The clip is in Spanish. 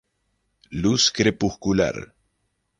Luz crepuscular.